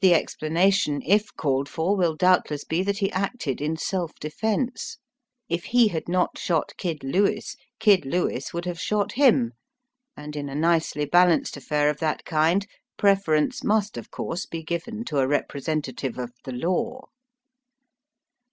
The explanation, if called for, will doubtless be that he acted in self defence. If he had not shot Kid Lewis, Kid Lewis would have shot him, and in a nicely balanced affair of that kind preference must of course be given to a representative of the law.